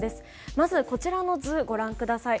まずこちらの図をご覧ください。